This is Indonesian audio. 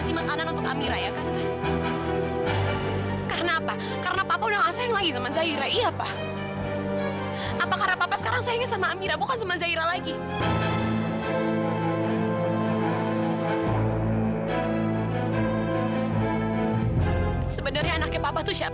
sampai jumpa di video selanjutnya